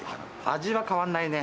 味は変わらないね。